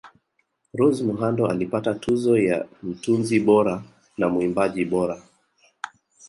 Rose Muhando alipata tuzo ya mtunzi bora na muimbaji bora